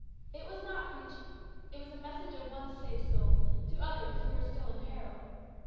It was not preaching, it was a message of one saved soul to others who were still in peril.